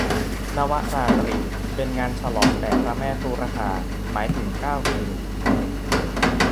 นวราตรี เป็นงานฉลองแด่พระแม่ทุรคา หมายถึงเก้าคืน